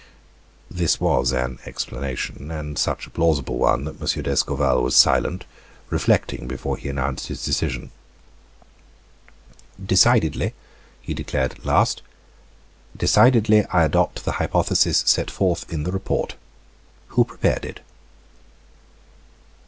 This was an explanation, and such a plausable one, that M. d'Escorval was silent, reflecting before he announced his decision. "Decidedly," he declared at last, "decidedly, I adopt the hypothesis set forth in the report. Who prepared it?"